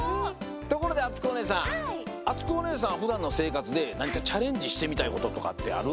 ところであつこおねえさんあつこおねえさんはふだんのせいかつでなにかチャレンジしてみたいこととかってある？